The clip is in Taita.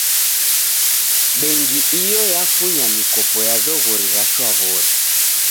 Bengi iyo yafunya mikopo ya zoghori ra shwaw'ori.